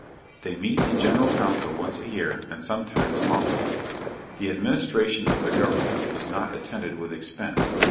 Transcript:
They meet in general council once a year, and sometimes oftener. The administration of their government is not attended with expense.